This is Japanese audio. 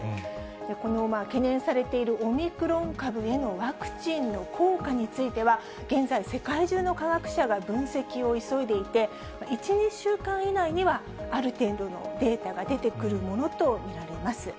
この懸念されている、オミクロン株へのワクチンの効果については、現在、世界中の科学者が分析を急いでいて、１、２週間以内には、ある程度のデータが出てくるものと見られます。